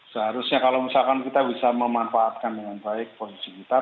seharusnya kalau misalkan kita bisa memanfaatkan dengan baik posisi kita